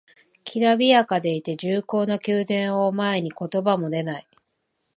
きらびやかでいて重厚な宮殿を前に言葉も出ない